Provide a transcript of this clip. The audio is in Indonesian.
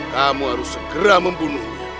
kamu harus segera membunuhnya